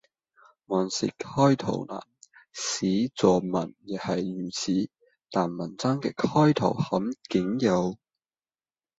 萬事開頭難，寫作文也係如此，但文章嘅開頭很緊要